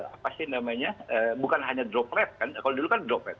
apa sih namanya bukan hanya drop rate kan kalau dulu kan drop rate